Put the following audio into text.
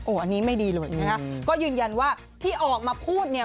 อันนี้ไม่ดีเลยนะคะก็ยืนยันว่าที่ออกมาพูดเนี่ย